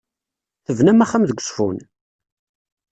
Tebnam axxam deg Uzeffun?